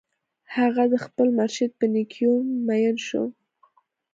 هغه د خپل مرشد په نېکیو مین شو